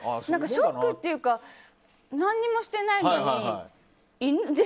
ショックというか何もしてないのに犬。